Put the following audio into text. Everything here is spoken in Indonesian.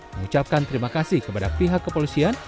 mengucapkan terima kasih kepada pihak kepolisian